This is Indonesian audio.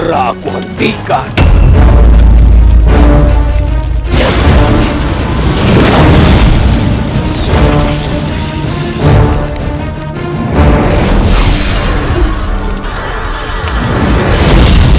bagaimana keadaan nyai